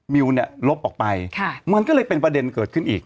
มิวเนี่ยลบออกไปมันก็เลยเป็นประเด็นเกิดขึ้นอีก